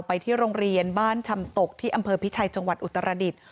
ไปที่โรงเรียนบ้านชำตกที่อำเภอพิชัยจังหวัดอุตรดิษฐ์